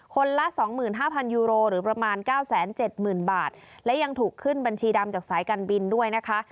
ละ๒๕๐๐ยูโรหรือประมาณ๙๗๐๐๐บาทและยังถูกขึ้นบัญชีดำจากสายการบินด้วยนะคะ